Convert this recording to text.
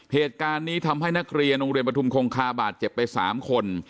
เหตุการณ์นี้ทำให้นักเรียนโรงเรียนประทุมคงคาบาดเจ็บไป๓คน